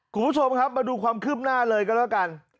คุณผู้ชมครับมาดูความคืบหน้าเลยกันแล้วกัน